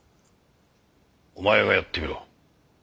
お前がやってみろ。